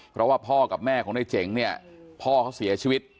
เพราะว่าพ่อกับแม่ของในเจ๋งเนี่ยพ่อเขาเสียชีวิต